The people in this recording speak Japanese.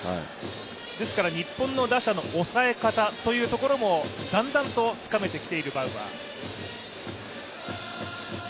ですから日本の打者の抑え方というところもだんだんとつかめてきているバウアー。